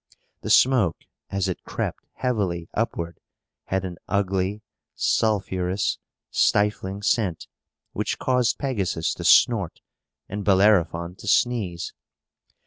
The smoke, as it crept heavily upward, had an ugly, sulphurous, stifling scent, which caused Pegasus to snort and Bellerophon to sneeze.